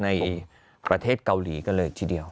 ในประเทศเกาหลีกันเลยทีเดียว